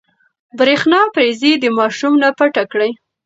برېښنا پريزې د ماشوم نه پټې کړئ.